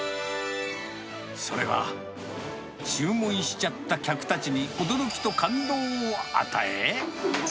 それは、注文しちゃった客たちに驚きと感動を与え。